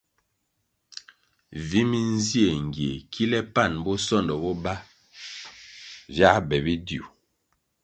Vi minzie ngie kile pan bosondo bo ba viā be bidiu.